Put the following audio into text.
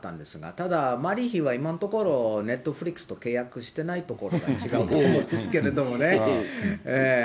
ただマリー妃は今のところ、ネットフリックスと契約していないところが違うと思うんですけれどもね。